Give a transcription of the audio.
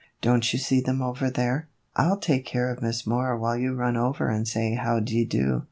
Don't you see them over there ? I '11 take care of Miss Moore while you run over and say how d 'ye do."